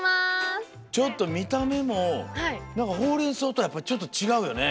ちょっとみためもほうれんそうとはやっぱりちょっとちがうよね。